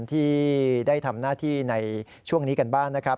ที่ได้ทำหน้าที่ในช่วงนี้กันบ้างนะครับ